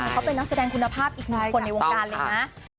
เขาเป็นนักแสดงคุณภาพอีกหนึ่งคนในวงการเลยนะ